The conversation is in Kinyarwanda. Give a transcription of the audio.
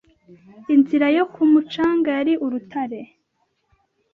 Inzira yo ku mucanga yari urutare